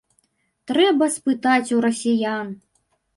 Трэба спытаць у расіян.